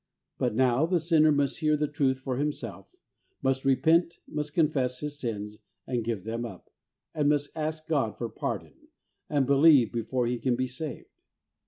But now, the sinner must hear the truth for himself, must repent, must confess his sins and give them up, and must ask God for pardon, and believe, before he can be saved.